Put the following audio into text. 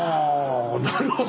なるほど。